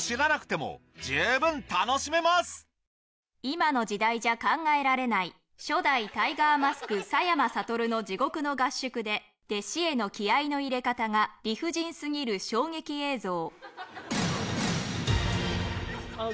今の時代じゃ考えられない初代タイガーマスク佐山聡の地獄の合宿で弟子への気合の入れ方が理不尽過ぎる衝撃映像